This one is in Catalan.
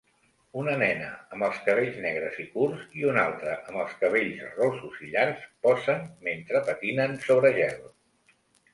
Una nena amb els cabells negres i curts i una altra amb els cabells rossos i llargs posen mentre patinen sobre gel.